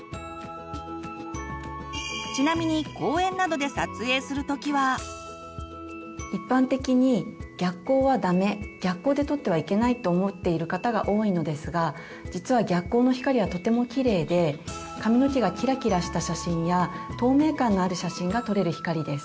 ちなみに一般的に逆光はダメ逆光で撮ってはいけないと思っている方が多いのですが実は逆光の光はとてもきれいで髪の毛がキラキラした写真や透明感のある写真が撮れる光です。